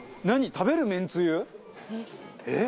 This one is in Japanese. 食べるめんつゆ？えっ？えっ？